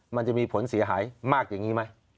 มันจะมีผลเสียหายมากอย่างนี้ไหม